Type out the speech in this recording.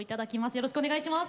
よろしくお願いします。